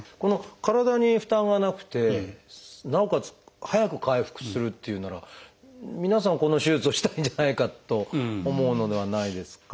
体に負担はなくてなおかつ早く回復するっていうなら皆さんこの手術をしたいんじゃないかと思うのではないですか？